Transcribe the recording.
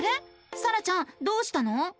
さらちゃんどうしたの？